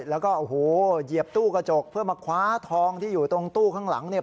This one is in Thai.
แล้วก็โอ้โหเหยียบตู้กระจกเพื่อมาคว้าทองที่อยู่ตรงตู้ข้างหลังเนี่ย